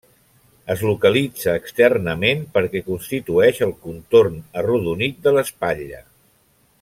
Es localitza externament perquè constitueix el contorn arrodonit de l'espatlla.